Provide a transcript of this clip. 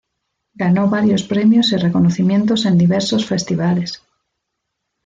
Ganó varios premios y reconocimientos en diversos festivales.